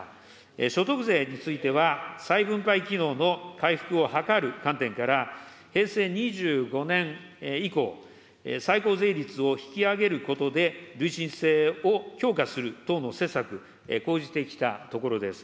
所得税については再分配機能の回復を図る観点から、平成２５年以降、最高税率を引き上げることで、累進性を強化する等の施策、講じてきたところです。